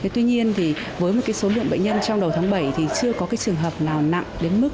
tuy nhiên thì với một số lượng bệnh nhân trong đầu tháng bảy thì chưa có trường hợp nào nặng đến mức